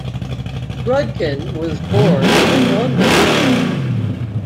Rudkin was born in London.